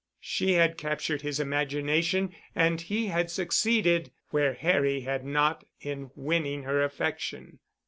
She had captured his imagination and he had succeeded where Harry had not in winning her affection.